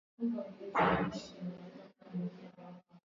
Kondoo mbuzi na ngamia huathiriwa na homa ya bonde la ufa